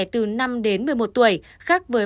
từ năm đến một mươi một tuổi khác với